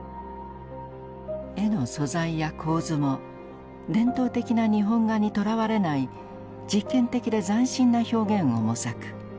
絵の素材や構図も伝統的な日本画にとらわれない実験的で斬新な表現を模索。